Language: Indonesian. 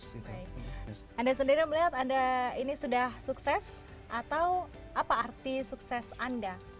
anda sendiri melihat anda ini sudah sukses atau apa arti sukses anda